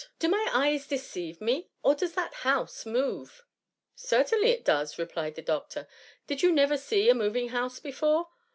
Do my eyes deceive me, or does that house move ?^" Certainly it does,*" replied the doctor. *' Did you never see a moving house before